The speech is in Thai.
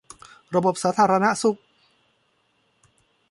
ระบบสาธารณสุข